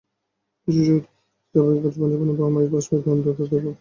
শিশুদের স্বাভাবিক জীবনযাপনে বাবা মায়ের পারস্পরিক দ্বন্দ্ব তাদের ওপর প্রভাব ফেলে।